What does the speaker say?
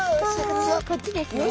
こっちですね。